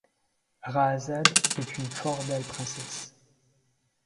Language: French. Rahàzade est une fort belle princesse.